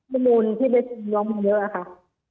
มุมมุมพี่ใบเฟิร์นร้องมาเยอะค่ะ